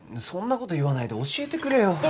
そんな事言わないで教えてくれよ。